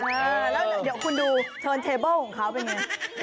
แล้วเดี๋ยวคุณดูโทนเทเบอร์ของเขาเป็นไง